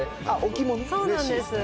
そうなんです。